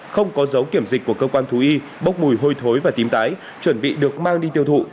không có dấu kiểm dịch của cơ quan thú y bốc mùi hôi thối và tím tái chuẩn bị được mang đi tiêu thụ